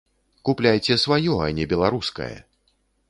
Купляйце сваё, а не беларускае!